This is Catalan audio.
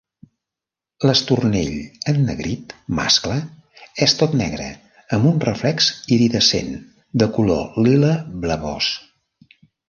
L'estornell ennegrit mascle és tot negre amb un reflex iridescent de color lila blavós.